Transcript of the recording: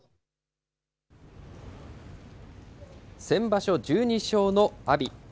先場所１２勝の阿炎。